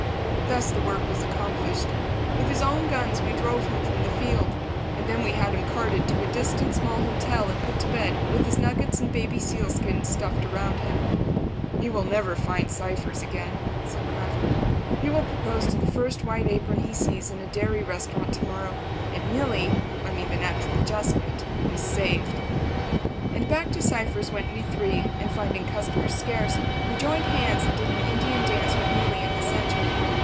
Thus the work was accomplished. With his own guns we drove him from the field. And then we had him carted to a distant small hotel and put to bed with his nuggets and baby seal skins stuffed around him. "He will never find Cypher's again," said Kraft. "He will propose to the first white apron he sees in a dairy restaurant to morrow. And Milly—I mean the Natural Adjustment—is saved!" And back to Cypher's went we three, and, finding customers scarce, we joined hands and did an Indian dance with Milly in the centre.